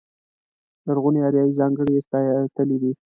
لرغونې اریایي ځانګړنې یې ساتلې دي.